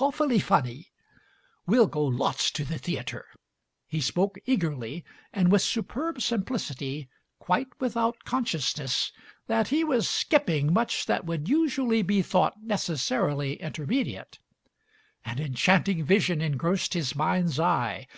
Awfully funny." "We'll go lots to the theatre!" He spoke eagerly Digitized by Google 150 MARY SMITH and with superb simplicity, quite without con sciousness that he was skipping much that would usually be thought necessarily intermediate. An enchanting vision engrossed his mind's eye.